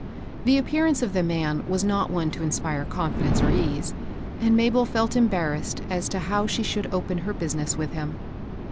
The i^pearance of the man was not one to inspire confidence or ease, and Mabel felt embarrassed as to how she should open her business with him.